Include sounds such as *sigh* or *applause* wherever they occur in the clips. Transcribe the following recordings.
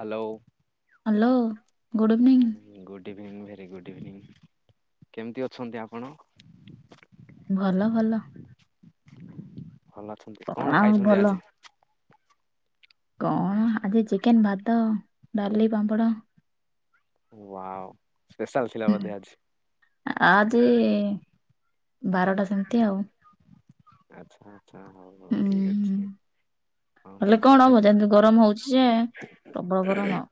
Hello good evening hello good good evening very good evening କେମିତି ଅଛନ୍ତି ଆପଣ? ଭଲ ଭଲ। ଭଲ ଅଛନ୍ତି, କଣ ଆଉ ଖାଇଛନ୍ତି ଭଲ। ଆଜି? କଣ ଆଜି ଚିକେନ୍, ଭାତ, ଡାଲି, ପାମ୍ପଡ଼। ଓହ୍ୱା। ହୁଁ, ଆଜି ବାରଟା ସେମିତି ଆଉ ଆଚ୍ଛା, ଆଚ୍ଛା ହଉ ହଉ ହୁଁ ଠିକ୍ ଅଛି। ହଁ ହେଲେ କଣ ପାଠ ହବ ଯେମିତି ଗରମ ହଉଛି ଯେ ପ୍ରବଳ ଗରମ ଆଉ।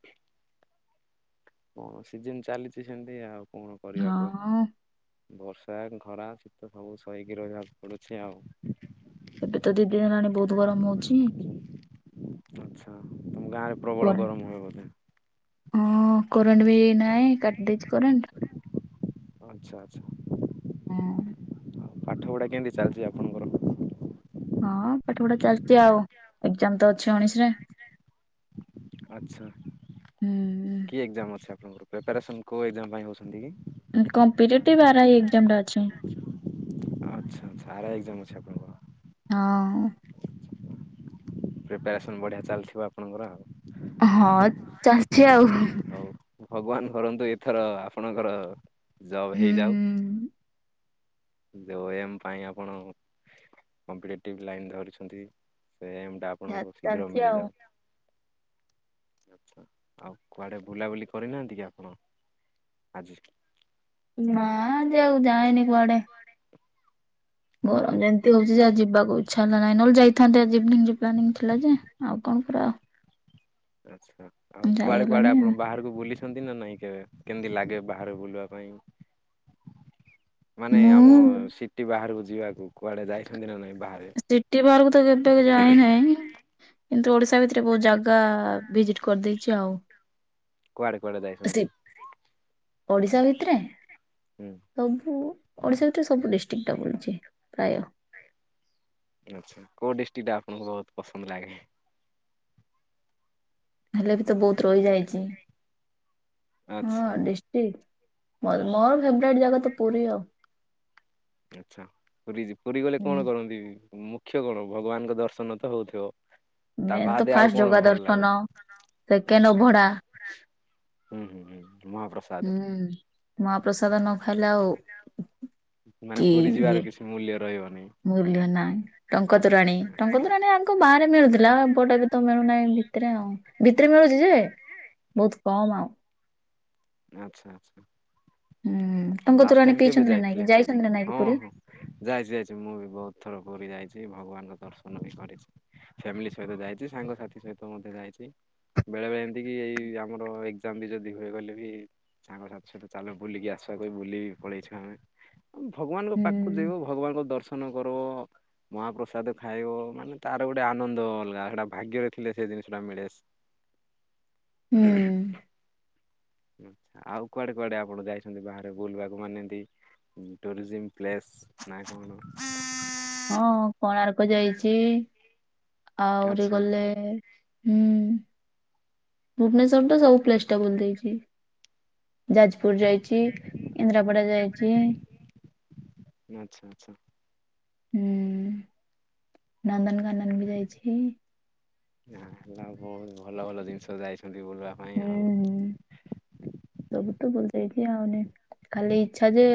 କଣ ସିଜିନ ଚାଲିଛି ସେମିତି ଆଉ କଣ କରିବାକୁ ହଁ ବର୍ଷା ଖରା ଶୀତ ସବୁ ସହିକି ରହିବାକୁ ପଡୁଛି ଆଉ ଏବେ ତ ଦି ଦିିନ ହେଲାଣି ବହୁତ ଗରମ ହଉଛି ଆଚ୍ଛା ତମ ଗାଁରେ ପ୍ରବଳ ଗରମ ହୁଏ ବୋଧେ? ହ କରେଣ୍ଟ ବି ନାଁଇ କାଟି ଦେଇଛି କରେଣ୍ଟ ଆଚ୍ଛା ଆଚ୍ଛା ହଁ ପାଠପଢ଼ା କେମିତି ଚାଲିଛି ଆପଣଙ୍କର ହଁ ପାଠ ପଢ଼ା ଚାଲିଛି ଆଉ ଏକ୍ଜାମ ତ *unintelligible* ଅଛି ଉଣେଇଶରେ ଆଚ୍ଛା କି ହୁଁ ଏକ୍ଜାମ ଅଛି ଆପଣଙ୍କର ପ୍ରିପାରେସନ୍ କେଉଁ ଏକ୍ଜାମ ପାଇଁ ହେଉଛନ୍ତି କି? ଉ କମ୍ପିଟେଟିଭ ଆର ଆଇ ଏଜାମ ଟା ଅଛି ଆଚ୍ଛା ଆଚ୍ଛା ଆର ଆଇ ଏକ୍ଜାମ ଅଛି ଆପଣଙ୍କର ହଁ ପ୍ରିପାରେସନ ବଢିଆ ଚାଲିଥିବ ଆପଣଙ୍କର ଆଉ ହଁ ଚାଲିଛି ଆଉ ହଉ ଭଗବାନ କରନ୍ତୁ ଏଥର ଆପଣଙ୍କର ଜବ ହେଇଯାଉ ଯୋଉ ଏମ୍ ପାଇଁ ଆପଣ କମ୍ପିଟେଟିଭ ଲାଇନ୍ ଧରିଛନ୍ତି ସେ ଏମଟା ଆ ଯା ଆପଣଙ୍କୁ ଶୀଘ୍ର ଚାଲିଛି ଆଉ। ମିଳିଯାଉ ଆଚ୍ଛା ଆଉ କୁଆଡ଼େ ବୁଲାବୁଲି କରିନାହାନ୍ତି କି ଆପଣ ଆଜି ନା ଯାଉ ଯାଇନି କୁଆଡେ କୁଆଡେ ଗରମ ଯେମିତି ହଉଛି ଯେ ଯିବାକୁ ଇଚ୍ଛା ନ ନାହିଁ ନହେଲେ ଯାଇଥାନ୍ତେ ଆଜି ଇବିନିଙ୍ଗ ପ୍ଳାନିଙ୍ଗ ଥିଲା ଯେ ଆଉ କଣ କର ଆଚ୍ଛା ଆଉ ଯାଇ କୁଆଡେ କୁଆଡେ ହେଲାନି ଆପଣ ଆଉ ବାହାରକୁ ବୁଲିସ ଛନ୍ତି ନା ନାଇଁ କେବେ କେମିତି ଲାଗେ ବାହାରେ ବୁଲିବା ପାଇଁ? ମାନେ ଆମ ମୁଁ ସିଟି ବାହାରକୁ ଯିବାକୁ କୁଆଡେ ଯାଇଛନ୍ତି ନା ନାଇଁ ବାହ ସ୍ତିଟି ବାହାରକୁ ତ କେବେ ଯାଇନାହିଁ। କିନ୍ତୁ ଓଡିଶା ଭିତରେ ବହୁତ ଜାଗା ଭିଜିଟ କରିଦେଇଛି ଆଉ। କୁଆଡ଼େ କୁଆଡ଼େ ସେ ଯାଇଛନ୍ତି? ଓଡିଶା ଭିତରେ? ହୁଁ। ସବୁ ଓଡ଼ିଶା ଭିତରେ ସବୁ ଡିଷ୍ଟ୍ରିକ୍ଟା ବୁଲିଛି ପ୍ରାୟ। ଆଚ୍ଛା କୋଉ ଡିଷ୍ଟ୍ରିକ୍ଟା ଆପଣଙ୍କୁ ବହୁତ ପସନ୍ଦ ଲାଗେ? ହେଲେ ବି ତ ବହୁତ ରହିଯାଇଛି ହଁ ଆଚ୍ଛା। ଡିଶ ଟି ମୋ ମୋର ଫେବରାଇଟ ଜାଗା ତ ପୁରୀ ଆଉ। ଆଚ୍ଛା ପୁରୀ ପୁରୀ ଗଲେ ହୁଁ। କଣ କରନ୍ତି ମୁଖ୍ୟ କଣ ଭଗବାନଙ୍କ ଦର୍ଶନ ତ ହଉଥିବ। ତା ମେନ୍ ତ ବାଦ ଆଉ ଫାଷ୍ଟ କଣ ଜଗା ଭଲ ଦର୍ଶନ ଲାଗେ ସେକେଣ୍ଡ ଆଛା। ଅଭଡା ହୁଁ ହୁଁ ହୁଁ ମହାପ୍ରସ ହୁଁ ମହାପ୍ରସାଦ ନ ଖାଇଲେ ଆଉ ମାନେ କି ପୁରୀ ଇଏ ଯିବାର କିଛି ମୂଲ୍ୟ ରହିବନି। ମୂଲ୍ୟ ନାହିଁ ଟଙ୍କ ତୋରାଣୀ ଟଙ୍କ ତୋରାଣୀ ଆ ଙ୍କ ବାହାରେ ମିଳୁଥିଲା ଏପଟେ ବି ତ ମିଳୁନାହିଁ ଭିତରେ ଆଉ ଭିତରେ ମିଳୁଛି ଯେ ବହୁତ କମ ଆଉ। ଆଚ୍ଛା ହୁଁ ଆଚ୍ଛା ଟଙ୍କ ଲାଷ୍ଟ ତୋରାଣୀ ଟାଇମ କେବେ ପିଇଛନ୍ତି ନା ନାଇଁ କି ଯାଇଥିଲେ ପୁରୀ ଯାଇଛନ୍ତି ନା ନାଇଁ କି ହଁ ପୁରୀ? ହଁ। ଯାଇଛି ଯାଇଛି ମୁଁ ବି ବହୁତ ଥର ପୁରୀ ଯାଇଛି ଭଗବାନଙ୍କ ଦର୍ଶନ ବି କରିଛି। ଫ୍ୟାମିଲି ସହିତ ଯାଇଛି ସାଙ୍ଗସାଥି ସହିତ ମଧ୍ୟ ଯାଇଛି। ବେଳେ ବେଳେ ଏମିତି କିି ଏଇ ଆମର ଏକ୍ଜାମ ବି ଯଦି ହୁଏଗଲେ ବି ସାଙ୍ଗସାଥି ସହିତ ଚାଲ ବୁଲିକି ଆସିବା କହି ବୁଲିବି ପଳେଇଛୁ ଆମେ। ଭଗବାନଙ୍କ ପାଖକୁ ହୁଁ। ଯିବ ଭଗବାନଙ୍କ ଦର୍ଶନ କରବ ମହାପ୍ରସାଦ ଖାଇବ ମାନେ ତାର ଗୋଟେ ଆନନ୍ଦ ଅଲଗା ସେଟା ଭାଗ୍ୟରେ ଥିଲେ ସେ ଜିନିଷଟା ମିଳେ। *inaudible* ହୁଁ ଆଉ କୁଆଡେ କୁଆଡେ ଆପଣ ଯାଇଛନ୍ତି ବାହାରେ ବୁଲବାକୁ ମାନେ ଏମ୍ତି ଟୁରିଜିମ୍ ପ୍ଲେସ୍‌ ନା କଣ? ହଁ କୋଣାର୍କ ଯାଇଛି ଆହୁରି ଆଚ୍ଛା ଗଲେ ହୁଁ। ଭୁବନେଶ୍ୱର ତ ସବୁ ପ୍ଲେସ୍‌ଟା ବୁଲି ଦେଇଛି। ଯାଜପୁର ଯାଇଛି କେଇନ୍ଦ୍ରାପଡ଼ା ଯାଇଛି। ଆଚ୍ଛା ଆଚ୍ଛା। ହୁଁ ନନ୍ଦନକାନନ ବି ଯାଇଛି। ନା ହେଲା ବହୁତ ଭଲ ଭଲ ଜିନିଷ ଯାଇଛନ୍ତି ବୁଲିବା ପାଇଁ ହୁଁ ଆଉ। ହୁଁ। ସବୁ ତ ବୁଲି ଦେଇଛି ଆଉନି ଖାଲି ଇଚ୍ଛା ଯେ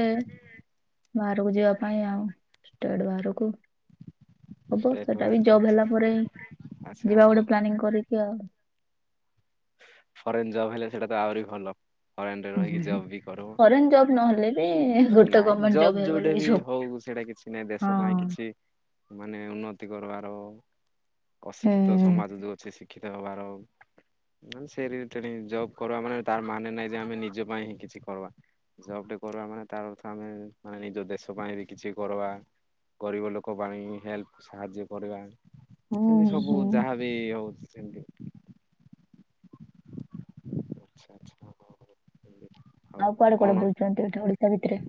ବାହାରକୁ ଯିବା ପାଇଁ ଆଉ ଷ୍ଟେଡ୍‌ ବାହାରକୁ। ହବ ଷ୍ଟେଟ୍ ସେଟା ବି ବାହାରକୁ ଜବ୍ ହେଲା ପରେ ଆଚ୍ଛା ଯିବା ଆପଣ ଗୋଟେ ପ୍ଲାନିଂ କରିକି ଆଉ। ଫରେନ୍ ଜବ୍ ହେଲେ ସେଟା ତ ଆହୁରି ଭଲ। ଫରେନ ରେ ହୁଁ ରହିକି ହୁଁ ହୁଁ। ଜବ ବି କରିବୁ ଫରେନ୍ ଜବ୍ ନହେଲେ ବି ଗୋଟେ ନାଇଁ ଗଭର୍ଣ୍ଣମେଣ୍ଟ ଜବ୍ ଜବ ହେଇଗଲେ ଯୋଉଟା ବି ଜବ୍। ହଉ ସେଟା କିଛି ଦିନେ ଦେଶ ପାଇଁ ହଁ କିଛି ମାନେ ଉନ୍ନତି କରବାର ଅଶିକ୍ଷିତ ହୁଁ ସମାଜ ଯୋଉ ଅଛି ଶିକ୍ଷିତ ହବାର ନା ସେ ବି ସେଠି ଜବ୍ କରିବା ମାନେ ତା ମାନେ ନାହିଁ ଯେ ଆମ ନିଜ ପାଇଁ ହିଁ କିଛି କରବା। ଜବଟେ କରିବା ମାନେ ତାର ଅର୍ଥ ଆମେ ମାନେ ନିଜ ଦେଶ ପାଇଁ ବି କିଛି କରବା। ଗରିବ ଲୋକ ପାଇଁ ହେଲ୍ପ ସାହାଯ୍ୟ କରିବା। ସେମତି ହୁଁ ସବୁ ହୁଁ। ଯାହାବି ହଉଛି ସେମତି ଆଚ୍ଛା ଆଚ୍ଛା। ଆଉ କୁଆଡେ କୁଆଡେ ବୁଲିଚନ୍ତି ଏଠି ଓଡିଶା ଭିତରେ।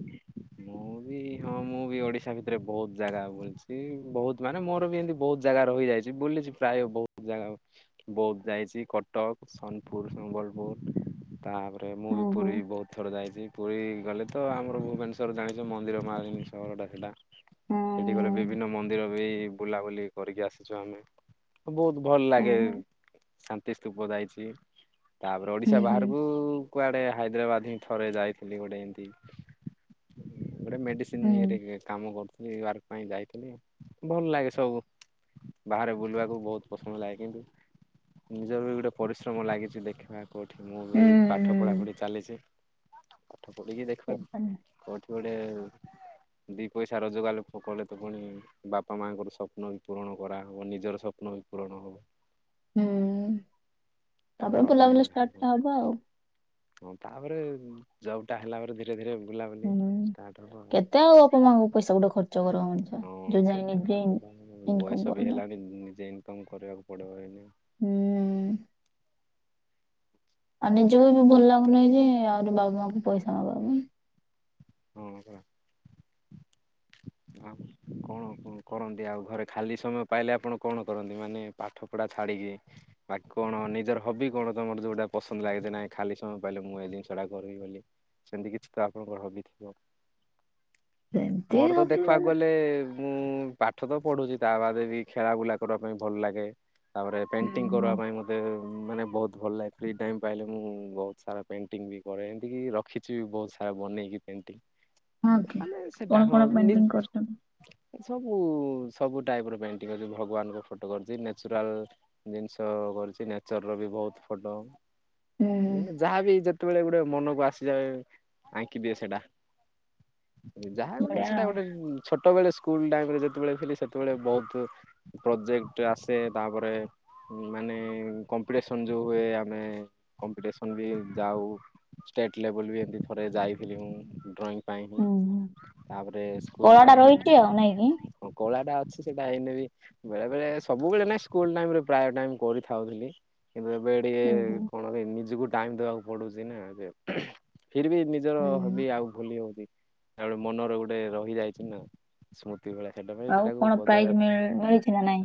ମୁଁ ବି ହଁ ମୁଁ ବି ଓଡିଶା ଭିତରେ ବହୁତ୍ ଜାଗା ବୁଲୁଛି ବହୁତ୍ ମାନେ ମୋର ବି ଏମିତି ବହୁତ୍ ଜାଗା ରହିଯାଇଛି ବୁଲିଛି ପ୍ରାୟ ବହୁତ୍ ଜାଗା। ବହୁତ୍ ଯାଇଛି କଟକ ସୋନପୁର ସମ୍ବଲପୁର ତାପରେ ମୁଁ ହୁଁ ହୁଁ ବହୁତ୍ ଥର ଯାଇଛି ପୁରୀ ଗଲେ ତ ଆମର ଭୁବନେଶ୍ୱର ଜାଣିଛ ମନ୍ଦିର ମାଳିନି ସହରଟା ଥିଲା। ହୁଁ ସେଠି ଗଲେ ବିଭିନ୍ନ ମନ୍ଦିର ବି ବୁଲାବୁଲି କରିକି ଆସିଛୁ ଆମେ। ବହୁତ୍ ଭଲ ହୁଁ ଲାଗେ ହୁଁ। ଶାନ୍ତି ସ୍ତୂପ ଯାଇଛି। ତାପରେ ହୁଁ ଓଡିଶା ହୁଁ ବାହାରକୁ କୁଆଡେ ହାଇଦ୍ରାବାଦ ହିଁ ଥରେ ଯାଇଥିଲି ଗୋଟେ ଏମତି ଗୋଟେ ହୁଁ ମେଡିସିନ ଇରେ କାମ କରୁଥିଲି ବାରେ। ପାଇଁ ଯାଇଥିଲି ଭଲ ଲାଗେ ସବୁ ବାହାରେ ବୁଲିବାକୁ ବହୁତ୍ ପସନ୍ଦ ଲାଗେ କିନ୍ତୁ ନିଜର ବି ଗୋଟେ ପରିଶ୍ରମ ଲାଗିଛି ଦେଖିବା। କୋଉଠି ମୁଁ ବି ପାଠ ହୁଁ। ପଢ଼ାପଢ଼ି ଚାଲିଛି ପାଠ ପଢ଼ିକି ଦେଖିବା ସେଇଟା ନୁହଁ। କୋଉଠି ଗୋଟେ ଦି ପଇସା ରୋଜଗାର କଲେ ତ ପୁଣି ବାପା ମାଆଙ୍କର ସ୍ୱପ୍ନ ବି ପୂରଣ କରାହବ ନିଜର ସ୍ୱପ୍ନ ବି ପୂରଣ ହବ। ହୁଁ ତାପରେ ଘର ପାଇଁ ବୁଲାବୁଲା ଭାଇ ଷ୍ଟାର୍ଟ ପାଇଁ ଟା ହବ ଆଉ। ହଁ ତାପରେ ଜବ୍ ଟା ହେଲା ପରେ ଧୀରେ ଧୀରେ ବୁଲାବୁଲି ହୁଁ ଷ୍ଟାର୍ଟ ହବ ଆଉ। କେତେ ବାପା ମାଆଙ୍କୁ ପଇସା ଗୋଟେ ଖର୍ଚ୍ଚ କରିବ ମଣିଷ ଯୋଉ ହଁ ଯାଏ ସେଟା ନିଜେ ଇନ୍ ହେଲା ଇନକମ୍ ବୟସ ବି କରୁନ ହେଲାଣି ନିଜେ ଏମ କମ କରିବାକୁ ପଡ଼ିବ ଏଇନି। ହୁଁ। ଆଉ ନିଜକୁ ବି ଭଲ ଲାଗୁନେହିଁ ଯେ ଆହୁରି ବାପା ମାଆଙ୍କୁ ପଇସା ନବା ପାଇଁ। ହଁପା। ଆଉ କଣ କରନ୍ତି ଆଉ ଘରେ ଖାଲି ସମୟ ପାଇଲେ ଆପଣ କଣ କରନ୍ତି ମାନେ ପାଠ ପଢା ଛାଡିକି ବାକି କଣ ନିଜର ହବି କଣ ତମର ଯୋଉଟା ପସନ୍ଦ ଲାଗେଯେ ନାହିଁ ଖାଲି ସମୟ ପାଇଲେ ମୁଁ ଏଇ ଜିନିଷ ଟା କରିବି ବୋଲି। ସେମିତି କିଛି ତ ଆପଣଙ୍କର ହବି ଥିବ। ସେମିତି ହବି ବ ହେଲେ ମୁଁ ପାଠ ତ ପଢୁଛି ତା ବାଦ ବି ଖେଳା ବୁଲା କରିବା ପାଇଁ ଭଲ ଲାଗେ। ତାପରେ ହୁଁ ପେଣ୍ଟିଂ ହୁଁ କରିବା। ପାଇଁ ମୋତେ ମାନେ ବହୁତ ଭଲ ଲାଗେ ଫ୍ରି ଟାଇମ୍ ପାଇଲେ ମୁଁ ବହୁତ ସାରା ପେଣ୍ଟିଙ୍ଗ ବି ହଁ କି କଣ କଣ *unintelligible* *unintelligible* ସବୁ ସବୁ ଟାଇପ ର ପେଣ୍ଟି ଅଛି। ଭଗବାନଙ୍କ ଫଟୋ କରିଛି ନଚୁରାଲ ଜିନିଷ କରଛି ନେଚର ର ବି ବହୁତ ଫଟୋ ହୁଁ ହୁଁ ଯାହାବି ଯେତେବେଳେ ଗୋଟେ ମନକୁ ଆସିଯାଏ ଆଙ୍କିଦିଏ ସେଇଟା ଯାହା ଗୋଟେ ବଢିଆ ସେଟା ଆଉ ଗୋଟେ ଛୋଟବେେଳେ ସ୍କୁଲ ଟାଇମରେ ଯେତେବେଳେ ସେତେବେଳେ ବହୁତ। ପ୍ରୋଜେକ୍ଟ ଆସେ ତାପରେ *unintelligible* ଷ୍ଟେଟ୍ ଲେବଲ ବି ଏମିତି ଥରେ ଯାଇଥିଲି ମୁଁ ଡ୍ରଂ ପାଇଁ ହି ହୁଁ ହୁଁ ତାପରେ କଳା ସ୍କୁଲ ଟା ରହିଛି ଆଉ ନାଇଁ କି ଟାଇମରେ ହଁ କଳାଟା ଅଛି ସେଟା ଏଇନେବି ବେଳେ ବେଳେ ସବୁବେଳେ ନା ସ୍କୁଲ ଟାଇରେ ପ୍ରାୟ *unintelligible* କିନ୍ତୁ ଏବେ ଟିକେ ହୁଁ ହୁଁ କଣ ନିଜକୁ ଟାଇମ ଦବାକୁ ପଡୁଛି *unintelligible* ନିଜର ହୁଁ ହୁଁ ହବି ଆଉ ଭୁଲି ହଉଛି ମନର ଗୋଟେ ରହିଯାଇଛି ନା ସ୍ମୃତି *unintelligible* ଆଉ କଣ ପ୍ରାଇଜ ମିଳି ମିଳିଛି ନା ନାଇଁ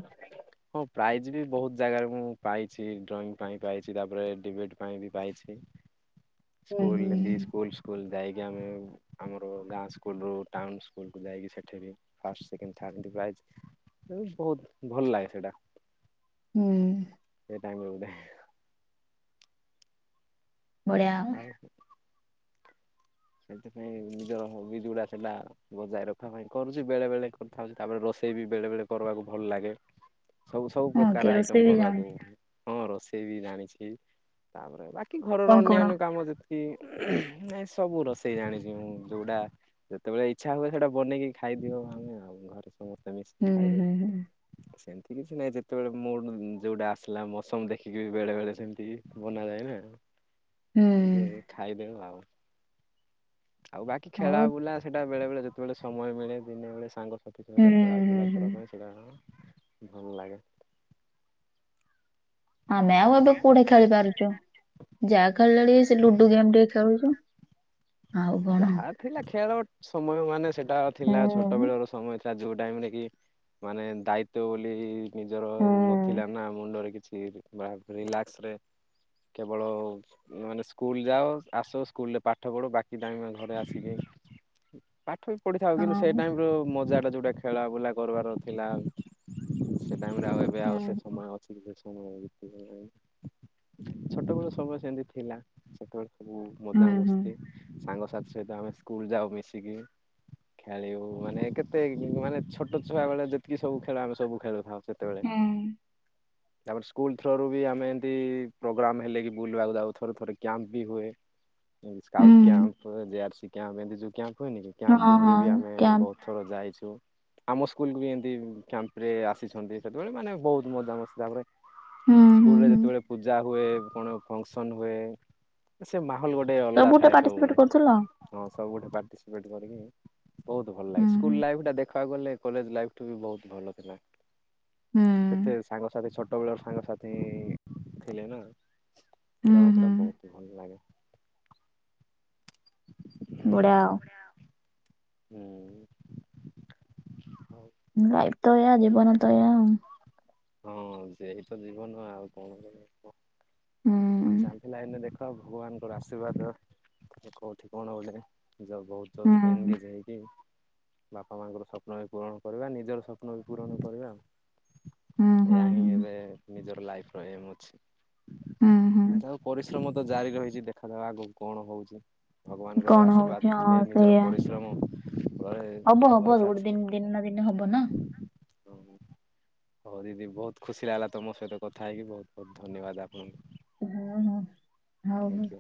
ହଁ ପ୍ରାଇଜ୍ ବି ବହୁତ ଜାଗାରେ ମୁଁ ପାଇଛି ଡ୍ରଇଂ ପାଇଁ ପାଇଛି ତାପରେ ଡିବିଟ୍ ପାଇଁ ବି ପାଇଛି। *unintelligible* ହୁଁ ହୁଁ ସ୍କୁଲକୁ ଯାଇକି ସେଠି ବି ଫାଷ୍ଟ ସେକେଣ୍ଡ *unintelligible* ପ୍ରାଇଜ୍ ବହୁତ ଭଲ ଲାଗେ ସେଇଟା। ହୁଁ। *unintelligible* ବଢିଆ। ଆଉ। ସେଇଥିପାଇଁ ନିଜର ହବି ଯୋଉଡା ଥିଲା ବଜାଇ ରଖିବା ପାଇଁ କରୁଛି ବେଳେ ବେଳେ କରିଥାଉଛି ତାପରେ ରୋଷେଇ ବି ବେଳେ ବେଳେ କରିବାକୁ ଭଲ ଲାଗେ। ସବୁ ସବୁ ହଁ କି ପ୍ରକାର ଆଇଟମ ରୋଷେଇ ବି ଜାଣୁ *unintelligible* ହଁ ରୋଷେଇ ବି ଜାଣିଛି। ତାପରେ ବାକି ଘରର କଣ କଣ ଅନ୍ୟାନ୍ୟ କାମ ଯେତିକି ସବୁ ରୋଷେଇ ଜାଣିଛି ମୁଁ ଯୋଉଟା ହୁଁ ହୁଁ ହୁଁ *unintelligible* ସେମିତି କିଛି ନାହିଁ ଯେତେବେଳେ ମୋର ଯୋଉଟା ଆସିଲା ମୌସମ ଦେଖିକି ବେଳେ ବେଳେ ସେମିତି ବନାଯାଏ ନା। ହୁଁ ଏମିତି ଖାଇଦେଉ ଆଉ। ଆଉ ବାକି ଖେଳା ହଉ ବୁଲା ସେଟା ବେଳେ ବେଳେ ଯେତେବେଳେ ସମୟ ମିଳେ ହୁଁ ହୁଁ ହୁଁ *unintelligible* *unintelligible* ଆମେ ଆଉ ଏବେ କୋଉଠି ଖେଳି ପାରୁଚୁ। ଯାଆଁ ଖେଳିଲେଣି ସେ ଲୁଡୁ ଗେମ୍ ଟିକେ ଖେଳୁଛୁ। ଆଉ କଣ ଯାଆଁ ଥିଲା ଖେଳ ସମୟ ମାନେ ସେଟା ହୁଁ ଥିଲା ଛୋଟ ହୁଁ। ବେଳର ସମୟ ଥିଲା ରାଜୁକି ଟାଇମି ରେ କି। ମାନେ ଦାଇତ୍ୱ ବୋଲି ଇ ନିଜର ହଁ ନଥିଲା ନା ମୁଣ୍ଡରେ କିଛି ବାହାର କରି ରିଲାକ୍ସ ରେ। କେବଳ। ମାନେ ସ୍କୁଲୁ ଯାଅ ଆସ ସ୍କୁଲୁରେ ପାଠ ପଢ ବାକି ଏତିକି ଟାଇମି ରେ ଘରେ ଆସିକି। ପାଠ ବି ପଢିଥାଉ ହୁଁ କିନ୍ତୁ ସେଇ ଟାଇମ ର ମଜା ଟା ଯୋଉଟା କି ଖେଳା ବୁଲା କରିବାର ଥିଲା। ସେ ଟାଇମି ରେ ଆଉ ଏବେ ଆଉ ହୁଁ ସେ ସମୟ ଅଛି। ସେ ଯେ ସମୟ *unintelligible* ନାହିଁ। ଛୋଟବେଳ ସମୟ ସେମତି ଥିଲା। ସେତେବେଳେ ସବୁ ହୁଁ ମଜା ମସ୍ତି। ହୁଁ ସାଙ୍ଗସାଥି ସହିତ ଆମେ ସ୍କୁଲୁ ଯାଉ ମିଶିକି। ଖେଳିବୁ ମାନେ କେତେ ମାନେ ଛୋଟ ଛୁଆ ବେଳେ ଯେତିକି ସବୁ ଖେଳ ଆମେ ସବୁ ଖେଳୁଥାଉ। ସେତେବେଳେ। ତାପରେ ସ୍କୁଲୁ ଥ୍ରରୁ ବି ଆମେ ଏମିତି ପ୍ରୋଗ୍ରାମ୍ ହେଲେ କିି ବୁଲିବାକୁ ଯାଉ ଥରେ ଥରେ କ୍ୟାମ୍ପ ବି ହୁଏ। ହୁଁ ସ୍କାଉଟୁ କ୍ୟା ଆପ ହେନେ। ବିୟାଶୀ କ୍ୟାପ ହେନେ ଯଉ କ୍ୟାପ ହୁଏନିକି କ୍ୟାପ ହଁ ଟିମିରେ ହଁ ଆମେ କ୍ୟାମ୍ପ ବହୁତୁ ଥର ଯାଇଛୁ। ଆମ ସ୍କୁଲୁକୁ ବି ଏମତି କ୍ୟାମ୍ପ ରେ ଆସିଛନ୍ତି ସେତେବେଳେ ମାନେ ବହୁତୁ ମଜା ମସ୍ତି ତାପରେ ହୁଁ ହୁଁ ସ୍କୁଲୁ ରେ ହୁଁ ଯେତେବେଳେ ପୂଜା ହୁଏ କଣ ଫଙ୍କସନ ହୁଏ। ସେ ମାହଲୁ ଗୋଟେ ଅଲଗା ଥାଏ। ଟିକେଟ କରୁଥିଲ? ନ ଖାଉ ଗୋଟେ ପାର୍ଟିସିପେଟେ କରିକି। ବହୁତୁ ଭଲ ଲାଗେ ହୁଁ ହୁଁ ସ୍କୁଲୁ ଲାଇଫି ଟା ଦେଖ ଦେଖି ବାକୁ ଗଲେ କଲେଜ ଲାଇଫି ଠୁ ବି ବହୁତୁ ଭଲ ଥିଲା। ହୁଁ ସେତେ ସାଙ୍ଗସଥି ଛୋଟ ଛୋଟବେଳ ର ସାଙ୍ଗସାଥି ଥିଲେ ନା। ହୁଁ ସେଟା ମା ହୁଁ କିନା ବହୁତୁ ଭଲ ଲାଗେ। ବଢିଆଉ। ୟା ଉଁ। ହୁଁ ହଉ। ଲାଇଫି ତ ଏଇଆ ଜୀବନ ତ ଏଇଆଉ। ହଁ ସେହିତ ତ ଜୀବନ ଆଉ କଣ କରିବା। ହୁଁ। ଦିନି ଚାନ୍ଦି ଲାଇନୀରେ ଦେଖ ଆଉ ଭଗବାନଙ୍କର ଆଶୀର୍ବାଦ। କୋଉଠି କଣ ବୋଲେ। ହୁଁ ଜଗବତଲ କେନ୍ ହୁଁ ଗିରେ। କିଏ। ବାପା ମାଙ୍କର ସ୍ୱପ୍ନ ବି ପୂରଣ କରିବା ନିଜର ସ୍ୱପ୍ନ ବି ପୂରଣ କରିବା ଆଉ। ହୁଁ ଏହା ହିଁ ହୁଁ ଏବେ ନିଜର ଲାଇଫି ର ଏମ୍ ଅଛି। ଉଁ ହୁଁ। ଏହାର ପରିଶ୍ରମ ତ ଜାରି ରହିଛି ଦେଖାଯାଉଁ ଆଗକୁ କଣ ହଉଛି। ଭଗବାନଙ୍କର କଣ ହଉଛି ଆଶୀର୍ବାଦ ଥିଲେ ହଁ ନିଜର ସେଇଆ ପରିଶ୍ରମ ବଳେ ହବ ହବ ଭରସା ଗୋଟେ ଦିନି ଦିନେ ନା ଦିନି ହବ ନାଁ। *inaudible* ହଁ ହଉ। କରିନି ବହୁତୁ ଖୁସି ଲାଗିଲା ତମ ସହିତ କଥା ହେଇକି ବହୁତୁ ବହୁତୁ ଧନ୍ୟବାଦ ଆପଣଙ୍କୁ। ହଁ ହଁ। ହଉଁ ହଁ। ଥ୍ୟାଙ୍କୟୁ।